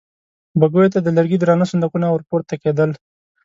بګيو ته د لرګي درانه صندوقونه ور پورته کېدل.